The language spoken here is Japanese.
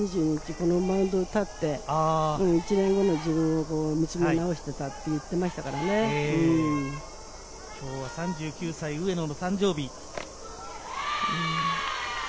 このマウンドに立って、１年後の自分を見つめ直していたと言ってい今日は３９歳、上野の誕生日。